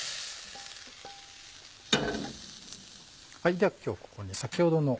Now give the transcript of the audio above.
では今日ここに先ほどの。